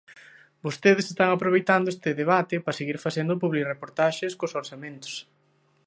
Vostedes están aproveitando este debate para seguir facendo publirreportaxes cos orzamentos.